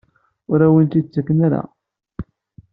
Ur awen-tent-id-ttaken ara?